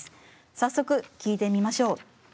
早速聴いてみましょう。